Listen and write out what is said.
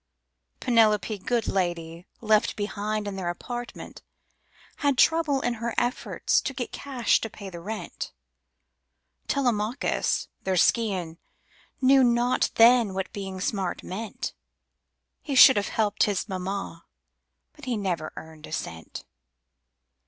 Penelope, good lady, left behind in their apartment, Had trouble in her efforts to get cash to pay the rent Telemachus, their scion, knew not then what being smart meant; He should have helped his mamma, but he never earned a cent.